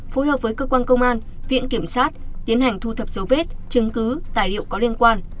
phối hợp với cơ quan công an viện kiểm sát tiến hành thu thập dấu vết chứng cứ tài liệu có liên quan